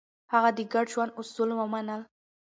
هغه د ګډ ژوند اصول ومنل.